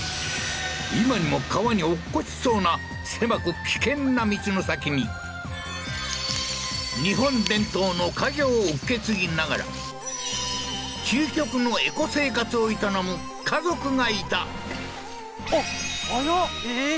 今にも川に落っこちそうな狭く危険な道の先に日本伝統の家業を受け継ぎながら究極のエコ生活を営む家族がいたあっ早っええー？